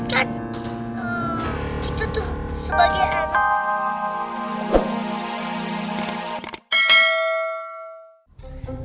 itu tuh sebagian